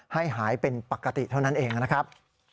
ให้หายเป็นปกติเท่านั้นเองนะครับ